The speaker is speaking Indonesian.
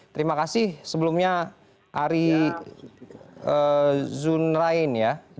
terima kasih sebelumnya ari zunrain ya